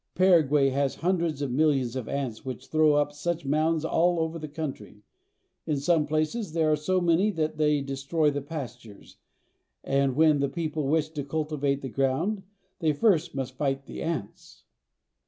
Paraguay has hundreds of millions of ants, which throw Indian Children. TRIP INTO THE INTERIOR. 229 up such mounds all over the country. In some places there are so many that they destroy the pastures, and when the people wish to cultivate the ground they first must fight the ants.